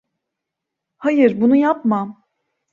Hayır, bunu yapma!